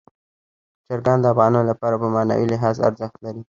چرګان د افغانانو لپاره په معنوي لحاظ ارزښت لري.